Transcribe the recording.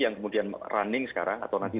yang kemudian running sekarang atau nanti